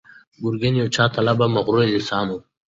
ګرګين يو جاه طلبه او مغرور انسان و.